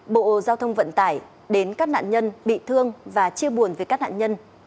bộ giao thông vận tải đến các nạn nhân bị thương và chia buồn với các nạn nhân